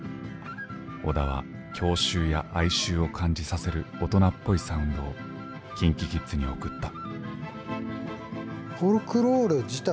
織田は郷愁や哀愁を感じさせる大人っぽいサウンドをＫｉｎＫｉＫｉｄｓに贈った。